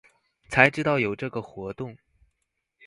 才知道有這個活動